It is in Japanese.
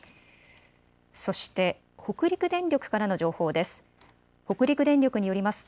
そして北陸電力からの情報です。